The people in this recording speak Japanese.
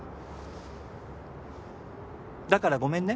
だからごめんね。